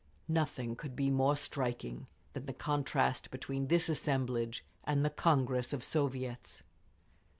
… Nothing could be more striking than the contrast between this assemblage and the Congress of Soviets.